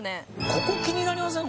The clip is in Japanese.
ここ気になりません？